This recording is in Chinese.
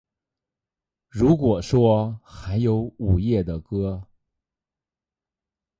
如果说还有午夜的歌